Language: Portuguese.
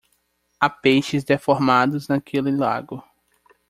Há peixes deformados naquele lago.